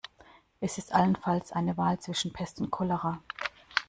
Es ist allenfalls eine Wahl zwischen Pest und Cholera.